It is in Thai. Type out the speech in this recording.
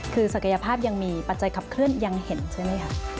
คือศักยภาพยังมีปัจจัยขับเคลื่อนยังเห็นใช่ไหมคะ